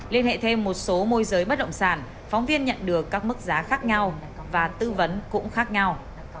liên hệ thêm một số môi giới bất động sản phóng viên nhận được các mức giá khác nhau và tư vấn cũng khác nhau